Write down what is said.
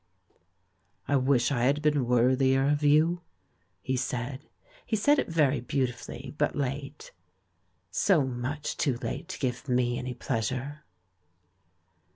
"I wish I had been worthier of you," he said. He said it ver)^ beautifully, but late. So much too late to give me any pleasure